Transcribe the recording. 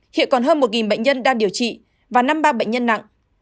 hiện còn hơn một bệnh nhân đang điều trị và năm mươi ba bệnh nhân nặng